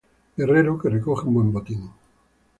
Guerrero que recoge un buen botín.